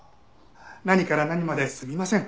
何から何まですみません。